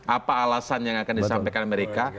apa alasan yang akan disampaikan amerika